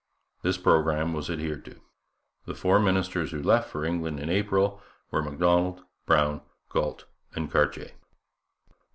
This programme was adhered to. The four ministers who left for England in April were Macdonald, Brown, Galt, and Cartier.